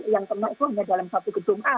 yang termasuknya dalam satu gedung a